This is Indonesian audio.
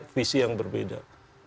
visi yang berbeda